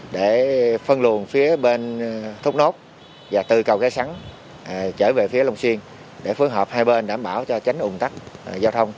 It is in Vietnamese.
để phân luồng phía bên thốt nốt và từ cầu cái sắn trở về phía long xuyên để phối hợp hai bên đảm bảo cho tránh ủng tắc giao thông